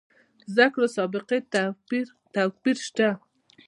زده کړو سابقې توپیر شته.